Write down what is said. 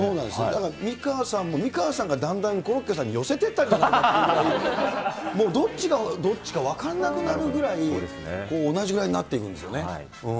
だから、美川さんも、美川さんがだんだん、コロッケさんに寄せてった感じが、もうどっちがどっちか分かんなくなるぐらい、同じぐらいになっていくんですよね。